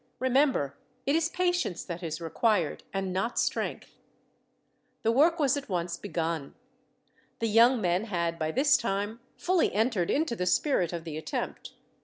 Remember, it is patience that is required, and not strength." The work was at once begun. The young men had, by this time, fully entered into the spirit of the attempt.